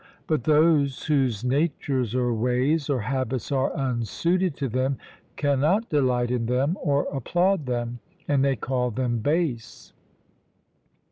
But those whose natures, or ways, or habits are unsuited to them, cannot delight in them or applaud them, and they call them base.